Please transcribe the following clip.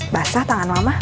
basah tangan mama